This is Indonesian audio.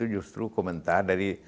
justru komentar dari